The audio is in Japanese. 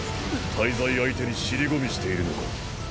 大罪相手に尻込みしているのか？